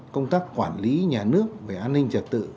công tác quản lý nhà nước về an ninh trật tự